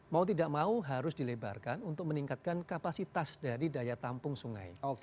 mau tidak mau harus dilebarkan untuk meningkatkan kapasitas dari daya tampung sungai